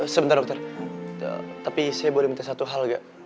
sebentar dokter tapi saya boleh minta satu hal gak